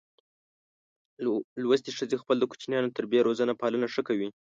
لوستي ښځه خپل د کوچینیانو تربیه روزنه پالنه ښه کوي.